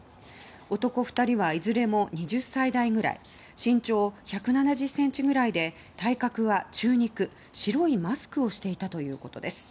男２人はいずれも２０歳代ぐらい身長１７０ｃｍぐらいで体格は中肉白いマスクをしていたということです。